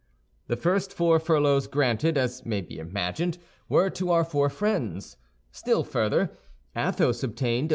The first four furloughs granted, as may be imagined, were to our four friends. Still further, Athos obtained of M.